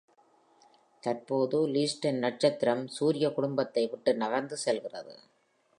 தற்போது, லுய்டன் நட்சத்திரம் சூரிய குடும்பத்தை விட்டு நகர்ந்து செல்கிறது.